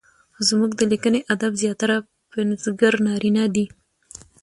زموږ د ليکني ادب زياتره پنځګر نارينه دي؛